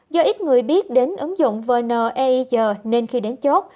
do ít người biết đến ứng dụng vn e i g nên khi đến chốt